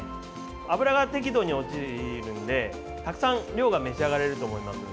脂が適度に落ちるので、たくさん量が召し上がれると思います。